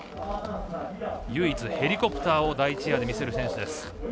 唯一、ヘリコプターを第１エアで見せる選手です。